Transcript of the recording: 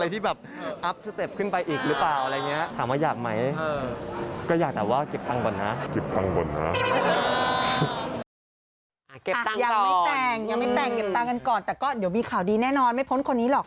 แต่ก็เดี๋ยวมีข่าวดีแน่นอนไม่พ้นคนนี้หรอก